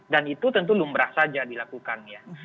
itu tentu lumrah saja dilakukan ya